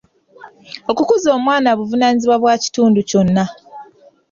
Okukuza omwana buvunaanyizibwa bwa kitundu kyonna.